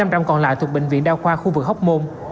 năm trạm còn lại thuộc bệnh viện đao khoa khu vực hốc môn